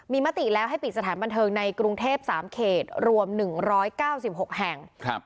มีมติแล้วให้ปิดสถานบันเทิงในกรุงเทพสามเขตรวมหนึ่งร้อยเก้าสิบหกแห่งครับ